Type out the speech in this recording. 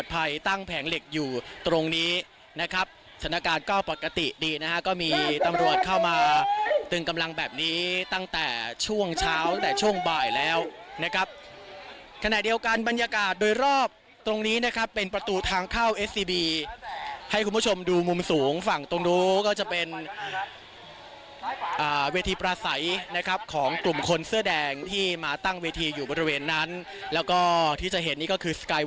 ภายในเต้นต่างภายในเต้นต่างภายในเต้นต่างภายในเต้นต่างภายในเต้นต่างภายในเต้นต่างภายในเต้นต่างภายในเต้นต่างภายในเต้นต่างภายในเต้นต่างภายในเต้นต่างภายในเต้นต่างภายในเต้นต่างภายในเต้นต่างภายในเต้นต่างภายในเต้นต่างภายในเต้นต่าง